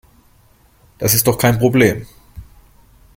Das ist doch kein Problem.